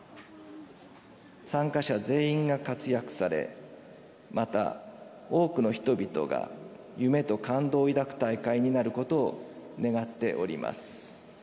参加者全員が活躍され、また多くの人々が夢と感動を抱く大会になることを願っております。